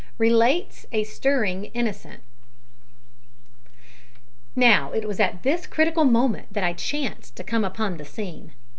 RELATES A STIRRING INNOCENT. Now it was at this critical moment that I chanced to come upon the scene.